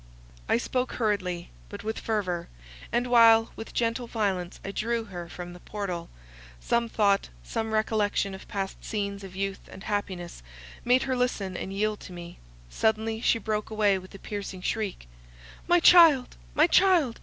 I spoke hurriedly, but with fervour: and while with gentle violence I drew her from the portal, some thought, some recollection of past scenes of youth and happiness, made her listen and yield to me; suddenly she broke away with a piercing shriek:—"My child, my child!